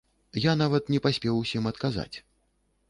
Я нават не паспеў усім адказаць.